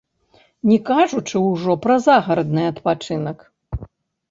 Не кажучы ўжо пра загарадны адпачынак.